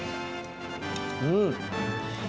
うん！